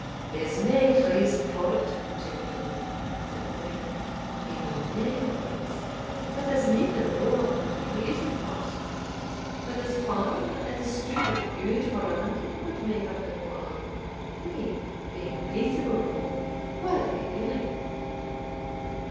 "There's nae reason for't, gentlemen," said the Bailie; "we mean nae offence but there's neither law nor reason for't; but as far as a stoup o' gude brandy wad make up the quarrel, we, being peaceable folk, wad be willing."